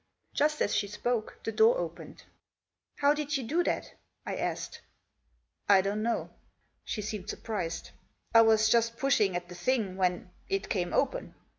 Just as she spoke the door opened. " How did you do that ?" I asked. "I don't know." She seemed surprised. "I was just pushing at the thing when — it came open.